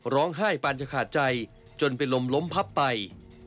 ร้องไห้ปานจะขาดใจจนเป็นลมล้มพับไป